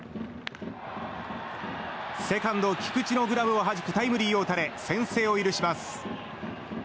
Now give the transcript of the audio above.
セカンド、菊池のグラブをはじくタイムリーを打たれ先制を許します。